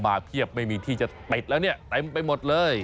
เพียบไม่มีที่จะติดแล้วเนี่ยเต็มไปหมดเลย